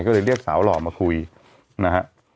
ก็เลยเรียกสาวหล่อมาคุยนะฮะ